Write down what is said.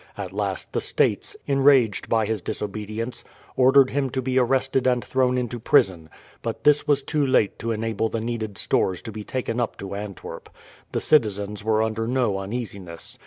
At last the States, enraged at his disobedience, ordered him to be arrested and thrown into prison; but this was too late to enable the needed stores to be taken up to Antwerp. The citizens were under no uneasiness.